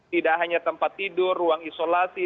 tidak hanya tempat tidur ruang isolasi